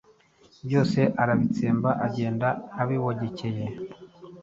Byose arabitsemba, agenda, abibogekeye